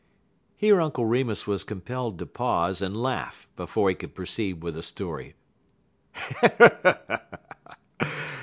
Here Uncle Remus was compelled to pause and laugh before he could proceed with the story.